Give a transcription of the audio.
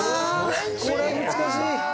これは難しい。